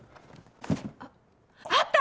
あっあった！